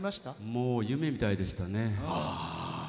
もう夢みたいでしたね。